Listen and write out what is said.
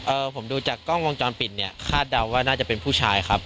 ผมดูจากกล้องวงจรปิดเนี่ยคาดเดาว่าน่าจะเป็นผู้ชายครับ